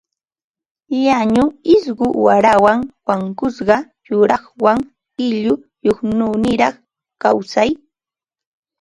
Llañu isku qarawan wankusqa yuraqwan qillu suytuniraq kawsay